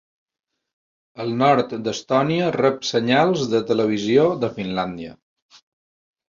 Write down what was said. El nord d'Estonia rep senyals de televisió de Finlàndia.